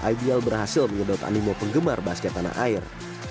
ibl berhasil menyedot animo penggemar basket tanah air